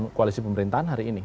di koalisi pemerintahan hari ini